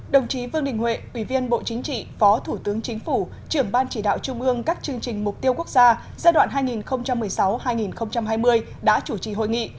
đồng chí vương đình huệ ủy viên bộ chính trị phó thủ tướng chính phủ trưởng ban chỉ đạo trung ương các chương trình mục tiêu quốc gia giai đoạn hai nghìn một mươi sáu hai nghìn hai mươi đã chủ trì hội nghị